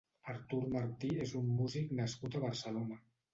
Artur Martí és un músic nascut a Barcelona.